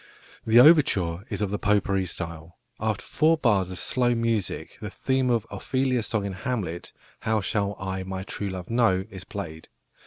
The overture is of the "potpourri" style. After four bars of slow music the theme of Ophelia's song in Hamlet, "How shall I my true love know?", is played.